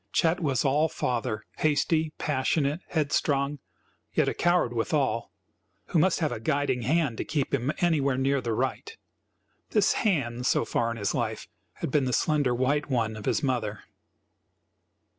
Chet was all father, hasty, passionate, headstrong, yet a coward withal, who must have a guiding hand to keep him anywhere near the right. This "hand," so far in his life, had been the slender white one of his mother.